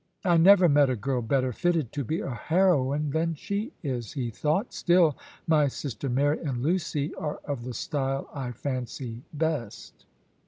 "I never met a girl better fitted to be a heroine than she is," he thought. "Still my sister Mary and Lucy are of the style I fancy best."